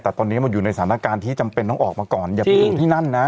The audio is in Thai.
แต่ตอนนี้มันอยู่ในสถานการณ์ที่จำเป็นต้องออกมาก่อนอย่าไปอยู่ที่นั่นนะ